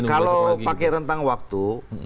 kalau pakai rentang waktu